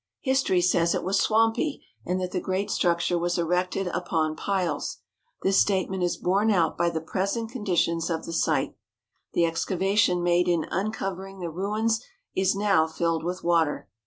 History says it was swampy and that the great structure was erected upon piles. This statement is borne out by the present conditions of the site. The excavation made in uncover ing the ruins is now filled with water.